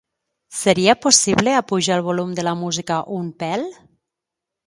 Seria possible apujar el volum de la música un pèl?